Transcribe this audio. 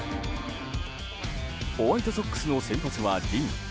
ホワイトソックスの先発はリン。